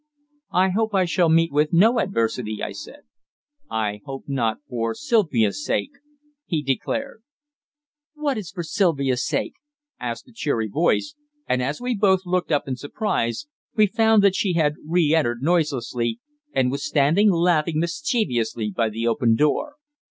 "I hope I shall meet with no adversity," I said. "I hope not for Sylvia's sake," he declared. "What is for Sylvia's sake?" asked a cheery voice, and, as we both looked up in surprise, we found that she had re entered noiselessly, and was standing laughing mischievously by the open door.